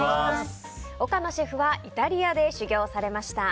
岡野シェフはイタリアで修業されました。